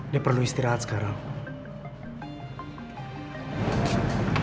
dia perlu istirahat sekarang